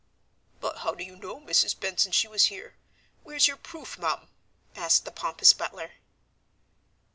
"But how do you know, Mrs. Benson, she was here? Where's your proof, mum?" asked the pompous butler.